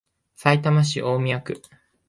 さいたま市大宮区